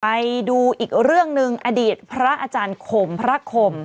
ไปดูอีกเรื่องหนึ่งอดีตพระอาจารย์ขมพระคม